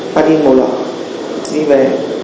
và đi một lọ đi về